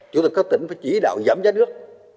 chúng tôi có tỉnh phải chỉ đạo giảm giá nước